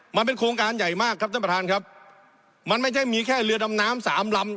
มันเป็นโครงการใหญ่มากครับท่านประธานครับมันไม่ใช่มีแค่เรือดำน้ำสามลำ